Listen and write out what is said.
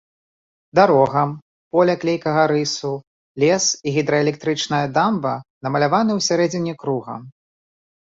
Дарога, поля клейкага рысу, лес і гідраэлектрычная дамба намаляваны ў сярэдзіне круга.